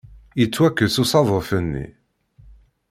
Yettwakkes usaḍuf-nni.